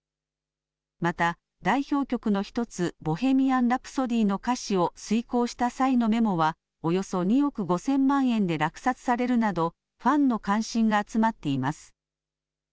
また、代表曲の１つ、ボヘミアン・ラプソディの歌詞を推こうした際のメモは、およそ２億５０００万円で落札されるなど、ファンの関心が集まっています。